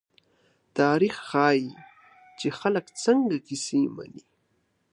تاریخ ښيي، چې خلک څنګه کیسې مني.